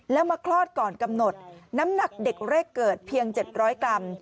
แล้วมาคลอดก่อนกำหนดน้ำหนักเด็กแรกเกิดเพียง๗๐๐กรัม